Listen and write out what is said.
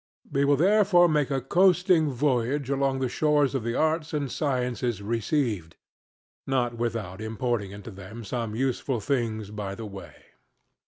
We will therefore make a coasting voyage along the shores of the arts and sciences received; not without importing into them some useful things by the way.